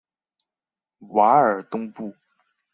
瓦尔东布。